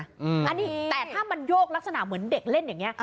อันนี้แต่ถ้ามันโยกลักษณะเหมือนเด็กเล่นอย่างนี้